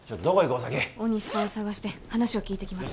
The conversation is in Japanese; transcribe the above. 尾崎大西さんを探して話を聞きます